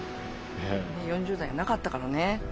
４０代なかったからね。